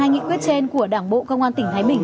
hai nghị quyết trên của đảng bộ công an tỉnh thái bình